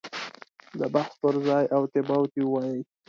د بحث پر ځای اوتې بوتې ووایي.